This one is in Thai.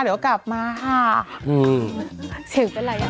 แล้วนอกมั้นแ